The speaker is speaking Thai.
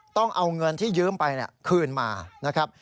ต้องเอาเงินที่ยืมไปคืนมานะครับ